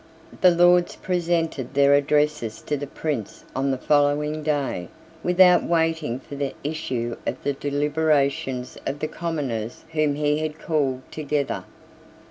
The Lords presented their addresses to the Prince on the following day, without waiting for the issue of the deliberations of the commoners whom he had called together.